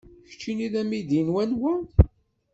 Kečč d amidi n wanwa?